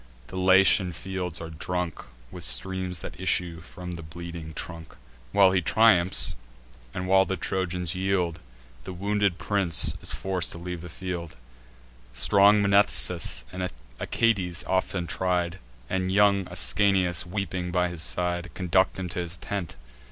The Latian fields are drunk With streams that issue from the bleeding trunk. While he triumphs, and while the Trojans yield, The wounded prince is forc'd to leave the field: Strong Mnestheus, and Achates often tried, And young Ascanius, weeping by his side, Conduct him to his tent.